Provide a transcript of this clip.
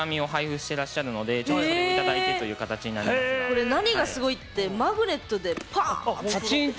これ何がすごいってマグネットでパーンって。